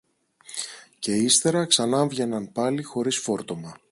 και ύστερα ξανάβγαιναν πάλι χωρίς φόρτωμα